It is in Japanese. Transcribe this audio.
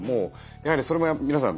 やはりそれも皆さん